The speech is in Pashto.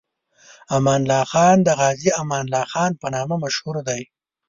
امان الله خان د غازي امان الله خان په نامه مشهور دی.